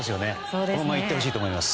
このままいってほしいと思います。